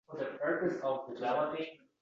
Gapga kirmaysizlar